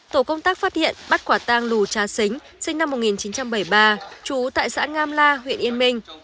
tổ công tác phát hiện bắt quả tang lù trá xính sinh năm một nghìn chín trăm bảy mươi ba trú tại xã ngam la huyện yên minh